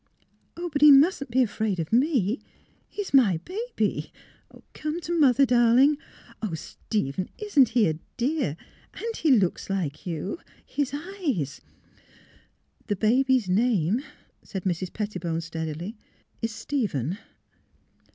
" Oh, but he mustn't be afraid of me! He's my baby. Come to mother, darling! ... Oh, Stephen, isn't he a dear? And he looks like you; his eyes "" The baby's name," said Mrs. Pettibone, stead ily, " is Stephen."